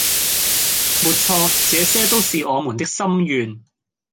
沒錯，這些都是我們的心願